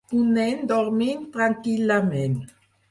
Un nen dormint tranquil·lament.